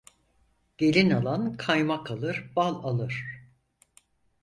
Gelin alan kaymak alır bal alır.